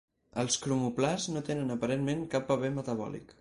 Els cromoplasts no tenen aparentment cap paper metabòlic.